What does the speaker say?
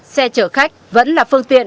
xe chở khách vẫn là phương tiện